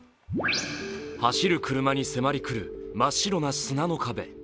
走る車に迫り来る真っ白な砂の壁。